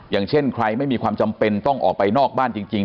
อย่างเช่นใครไม่มีความจำเป็นต้องออกไปนอกบ้านจริง